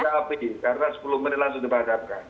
tidak ada api karena sepuluh menit langsung dipadamkan